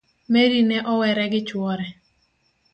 Mary ne owere gi chuore